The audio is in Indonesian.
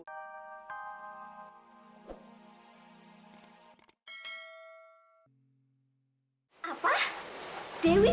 dewi jangan bilang sama ibu apa yang udah akan berbuat